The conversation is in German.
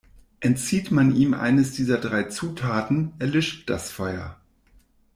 Entzieht man ihm eines dieser drei Zutaten, erlischt das Feuer.